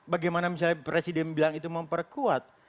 bagaimana misalnya presiden bilang itu memperkuat